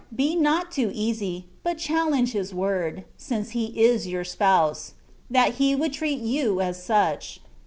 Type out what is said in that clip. Be not too easy, but challenge His word, since He is your Spouse, that He would treat you as such.